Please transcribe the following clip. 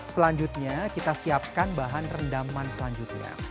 selanjutnya kita siapkan bahan rendaman selanjutnya